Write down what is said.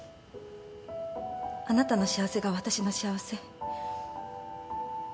あなたの幸せが私の幸せ。